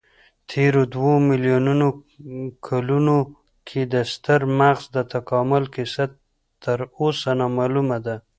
تېرو دوو میلیونو کلونو کې د ستر مغز د تکامل کیسه تراوسه نامعلومه ده.